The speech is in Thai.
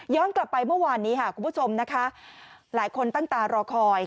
ย้อนกลับไปเมื่อวานนี้คุณผู้ชมหลายคนตั้งตารอคอย